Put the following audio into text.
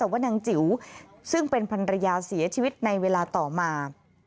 แต่ว่านางจิ๋วซึ่งเป็นภรรยาเสียชีวิตในเวลาต่อมา